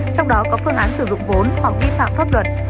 trong đó có phương án sử dụng vốn hoặc vi phạm pháp luật